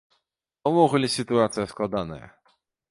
А ўвогуле, сітуацыя складаная.